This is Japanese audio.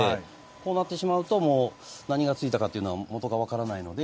こうなってしまうと何がついたかというのは元が分からないので。